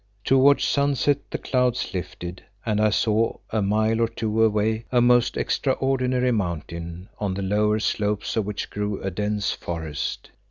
Towards sunset the clouds lifted and I saw a mile or two away a most extraordinary mountain on the lower slopes of which grew a dense forest.